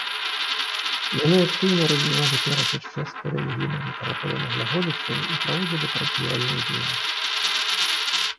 Яны актыўна развівалі перапіс чэшскай рэлігійнай літаратуры на глаголіцы і праводзілі парафіяльную дзейнасць.